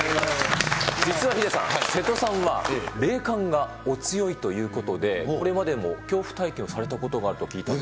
実はヒデさん、瀬戸さんは霊感がお強いということで、これまでも恐怖体験をされまじで？